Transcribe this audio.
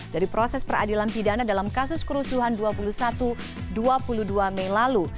dari proses peradilan pidana dalam kasus kerusuhan dua puluh satu dua puluh dua mei lalu